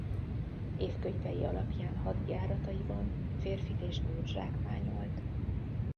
Évkönyvei alapján hadjárataiban férfit és nőt zsákmányolt.